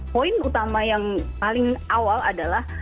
poin utama yang paling awal adalah